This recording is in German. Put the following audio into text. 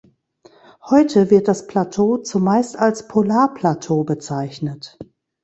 Heute wird das Plateau zumeist als Polarplateau bezeichnet.